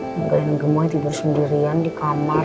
nanti nek gemoy tidur sendirian di kamar